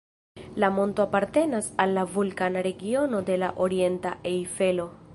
La monto apartenas al la vulkana regiono de la orienta Ejfelo.